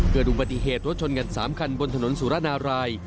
เกิดอุบัติเหตุรถชนกัน๓คันบนถนนสุรนาราย